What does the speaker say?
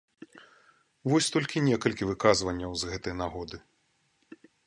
Вось толькі некалькі выказванняў з гэтай нагоды.